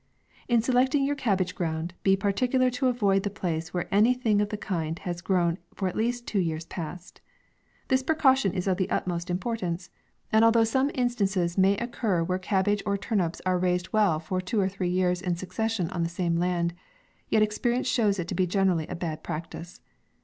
In selecting your cabbage ground, be par ticular to avoid the place where any thing of the kind has grown for at least two years past. This precaution is of the utmost importance : BO MAY. and although some instances may occur where cabbage or turnips are raised well for two or three years in succession on the same land, yet experience shows it to be generally a bad practice.